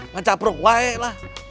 ngecapruk wae lah